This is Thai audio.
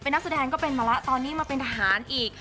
นักแสดงก็เป็นมาแล้วตอนนี้มาเป็นทหารอีก